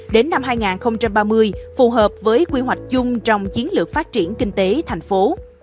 đến năm hai nghìn ba mươi phù hợp với quy hoạch chung trong chiến lược phát triển kinh tế thành phố